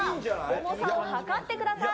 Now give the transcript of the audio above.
重さを量ってください。